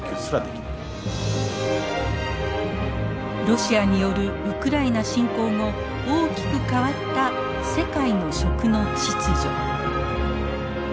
ロシアによるウクライナ侵攻後大きく変わった世界の「食」の秩序。